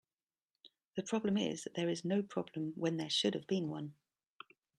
The problem is that there is no problem when there should have been one.